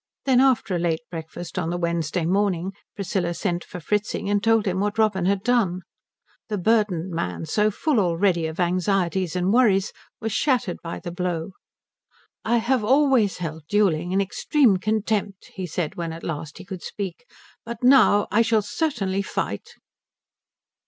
Then, after a late breakfast on the Wednesday morning, Priscilla sent for Fritzing and told him what Robin had done. The burdened man, so full already of anxieties and worries, was shattered by the blow. "I have always held duelling in extreme contempt," he said when at last he could speak, "but now I shall certainly fight."